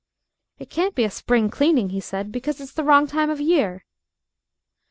"It can't be a spring cleaning," he said, "because it's the wrong time of year."